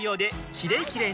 「キレイキレイ」